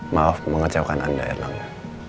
maaf mengecewakan anda erlangga